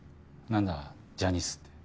何だジャニスって。